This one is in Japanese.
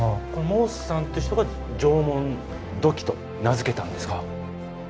モースさんって人が縄文土器と名付けたんですか？